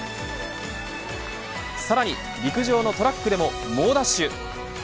さらに陸上のトラックでも猛ダッシュ。